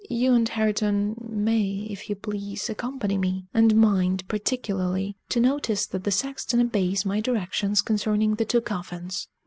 You and Hareton may, if you please, accompany me and mind, particularly, to notice that the sexton obeys my directions concerning the two coffins!